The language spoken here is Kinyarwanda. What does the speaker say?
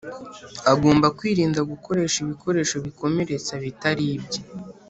agomba kwirinda gukoresha ibikoresho bikomeretsa bitari ibye